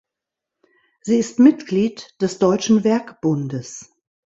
Sie ist Mitglied des Deutschen Werkbundes.